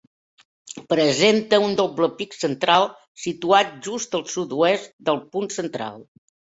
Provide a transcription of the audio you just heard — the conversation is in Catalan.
Presenta un doble pic central situat just al sud-oest del punt central.